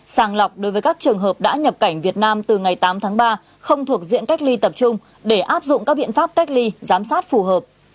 sàng lọc đối với các trường hợp đã nhập cảnh việt nam từ ngày tám tháng ba không thuộc diện cách ly tập trung để áp dụng các biện pháp cách ly giám sát phù hợp